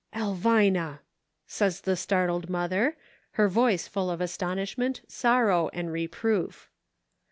" Elvina !" says the startled mother, her voice full of astonishment, sorrow and reproof.